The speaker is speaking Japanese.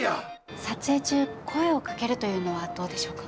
撮影中声をかけるというのはどうでしょうか？